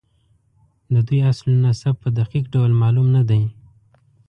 د دوی اصل نسب په دقیق ډول معلوم نه دی.